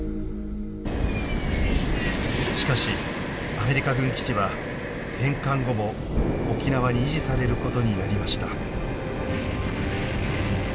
しかしアメリカ軍基地は返還後も沖縄に維持されることになりました。